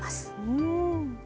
うん。